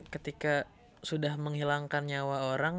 ketika sudah menghilangkan nyawa orang